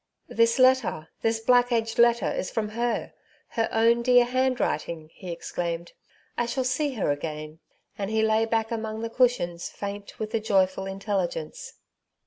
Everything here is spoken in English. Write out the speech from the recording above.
" This letter— this black edged letter is from her— her own dear handwriting/' he exclaimed ;*^ I shall see her again !" and he lay back among the cushions faint with the joyful intelligence.